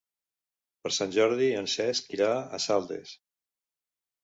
Per Sant Jordi en Cesc irà a Saldes.